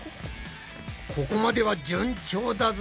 ここまでは順調だぞ。